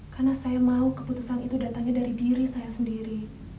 karena saya mau keputusan itu datangnya dari diri saya sendiri